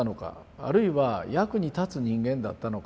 あるいは役に立つ人間だったのか？